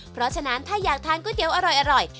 เพราะฉะนั้นถ้าอยากทานก๋วยเตี๋ยวอร่อย